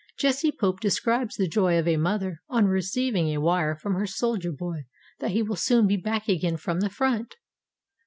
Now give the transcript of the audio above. Jessie Pope describes the joy of a mother on receiving a wire from her soldier boy that he will soon be back again from the front.